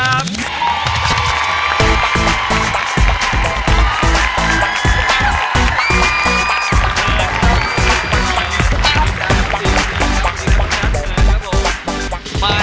ซ้ำอีกสิ่งหนึ่งตอนนี้ก็มันกลับมาครับผม